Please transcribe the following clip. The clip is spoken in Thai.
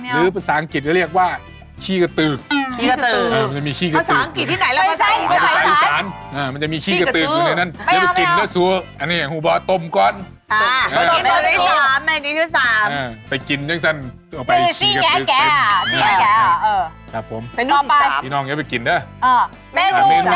หรือภาษาอังกฤษจะเรียกกว่าขี้กะตือกมันจะมีขี้กะตือกภาษาอังกฤษที่ไหนแล้ว